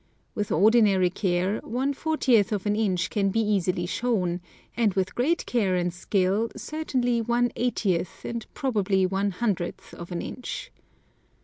With ordinary care, one fortieth of an inch can be easily shown, and with great care and skill certainly one eightieth and probably one hundredth of an inch.